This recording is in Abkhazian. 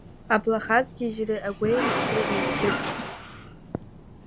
Аблахаҵгьежьреи агәеиласреи еицуп…